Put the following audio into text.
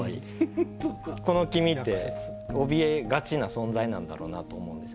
この「きみ」っておびえがちな存在なんだろうなと思うんですよね。